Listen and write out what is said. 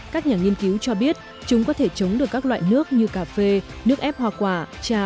các nhà nghiên cứu cho biết chúng có thể chống được các loại nước như cà phê nước ép hoa quả trà